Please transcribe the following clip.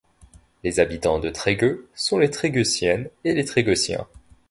Les habitants de Trégueux sont les trégueusiennes et les trégueusiens.